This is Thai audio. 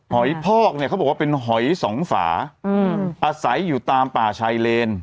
หอยพอกเนี่ยเขาบอกว่าเป็นหอยสองฝาอาศัยอยู่ตามป่าชายเลน